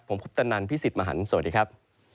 ผมคุปตะนันพี่สิทธิ์มหันฯสวัสดีครับ